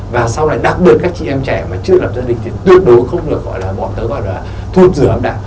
và sau này đặc biệt các chị em trẻ mà chưa làm gia đình thì tuyệt đối không được gọi là bọn tớ gọi là thuộc dửa âm đạo